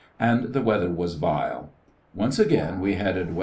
And the weather was vile. Once again we headed W.N.